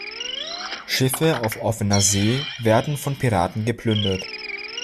Schiffe auf offener See werden von Piraten geplündert.